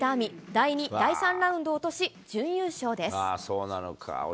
第２、第３ラウンドを落とし、準優勝です。